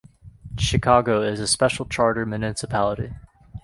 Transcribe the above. Chicago is a special charter municipality.